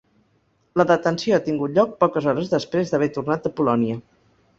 La detenció ha tingut lloc poques hores després d’haver tornat de Polònia.